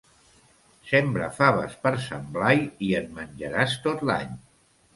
Sembra faves per Sant Blai i en menjaràs tot l'any.